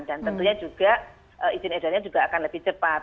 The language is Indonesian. dan tentunya juga izin edarnya juga akan lebih cepat